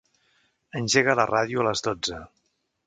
Engega la ràdio a les dotze.